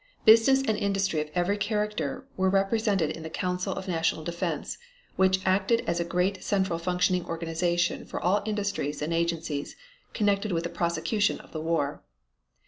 Business and industry of every character were represented in the Council of National Defense which acted as a great central functioning organization for all industries and agencies connected with the prosecution of the war.